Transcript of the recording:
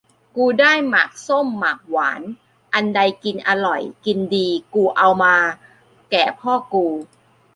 กูได้หมากส้มหมากหวาน อันใดกินอร่อยกินดี กูเอามาแก่พ่อกู